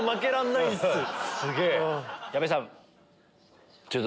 矢部さん。